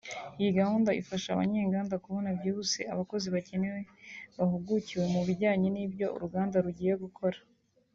Iyi gahunda ifasha abanyenganda kubona byihuse abakozi bakeneye bahugukiwe mu bijyanye n’ibyo uruganda rugiye gukora